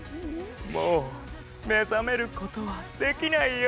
もう目覚めることはできないよ